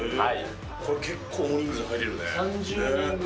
これ結構、大人数入れるね。